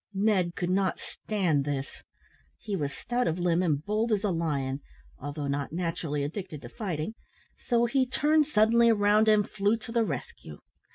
Ned could not stand this. He was stout of limb and bold as a lion, although not naturally addicted to fighting, so he turned suddenly round and flew to the rescue.